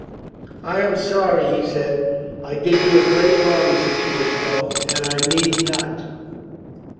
"I am sorry," he said. "I did you a great wrong six years ago, and I need not."